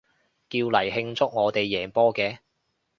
叫嚟慶祝我哋贏波嘅